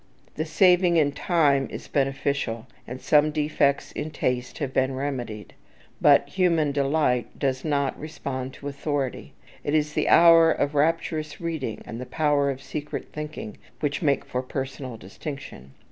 The saving in time is beneficial, and some defects in taste have been remedied. But human delight does not respond to authority. It is the hour of rapturous reading and the power of secret thinking which make for personal distinction.